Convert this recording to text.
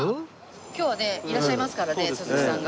今日はねいらっしゃいますからね鈴木さんが。